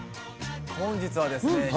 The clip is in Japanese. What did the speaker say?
本日はですね